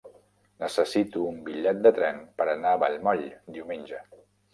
Necessito un bitllet de tren per anar a Vallmoll diumenge.